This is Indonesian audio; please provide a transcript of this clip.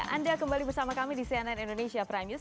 anda kembali bersama kami di cnn indonesia prime news